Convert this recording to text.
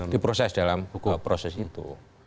diproses dalam proses itu